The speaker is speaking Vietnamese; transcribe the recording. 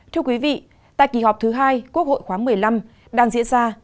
thưa quý vị tại kỳ họp thứ hai quốc hội khoáng một mươi năm đang diễn ra